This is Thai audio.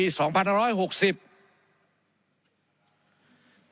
ว่าด้วยเรื่องการจัดการมุนฝ่อยปี๒๑๖๐